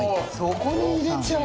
そこに入れちゃう！